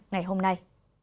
ngày hôm nay